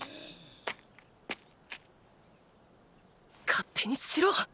勝手にしろッ！